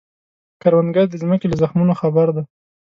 کروندګر د ځمکې له زخمونو خبر دی